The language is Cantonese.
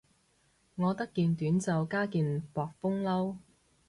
我得件短袖加件薄風褸